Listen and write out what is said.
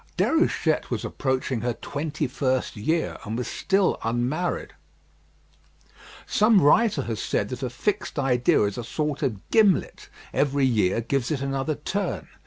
Déruchette was approaching her twenty first year, and was still unmarried. Some writer has said that a fixed idea is a sort of gimlet; every year gives it another turn.